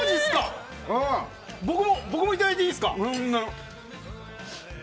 僕もいただいていいですか？